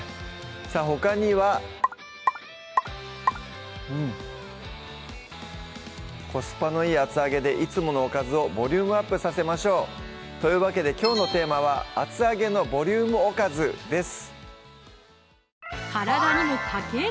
さぁほかにはうんコスパのいい厚揚げでいつものおかずをボリュームアップさせましょうというわけできょうのテーマは「厚揚げのボリュームおかず」です